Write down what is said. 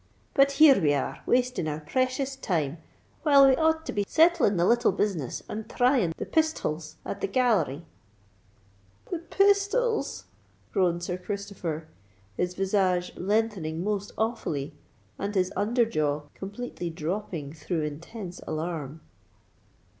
"But here we are, wasting our precious time, while we ought to be settling the little business and thrying the pisthols at the Gallery." "The pistols!" groaned Sir Christopher, his visage lengthening most awfully, and his under jaw completely dropping through intense alarm.